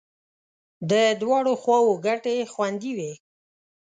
د دواړو خواو ګټې خوندي وې.